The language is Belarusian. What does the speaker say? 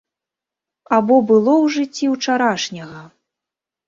Або было ў жыцці ўчарашняга.